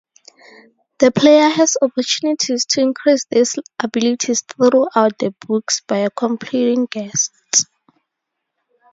The player has opportunities to increase these abilities throughout the books by completing quests.